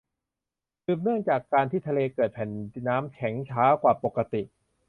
สืบเนื่องจากการที่ทะเลเกิดแผ่นน้ำแข็งช้ากว่าปกติ